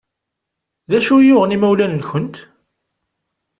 D acu i yuɣen imawlan-nkent?